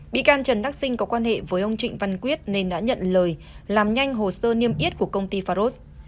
bị can trần đắc sinh có quan hệ với ông trịnh văn quyết nên đã nhận lời làm nhanh hồ sơ niêm yết của công ty farod